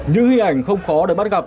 những hình ảnh không khó được bắt gặp